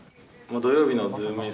土曜日のズームイン！！